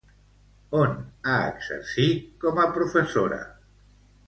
On ha exercit com a professora?